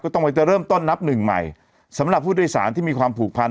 ต้องไปจะเริ่มต้นนับหนึ่งใหม่สำหรับผู้โดยสารที่มีความผูกพัน